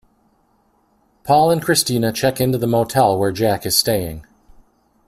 Paul and Cristina check into the motel where Jack is staying.